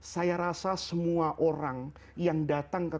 saya rasa semua orang yang datang ke